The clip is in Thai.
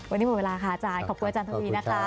วันนี้หมดเวลาค่ะอาจารย์ขอบคุณอาจารย์ทวีนะคะ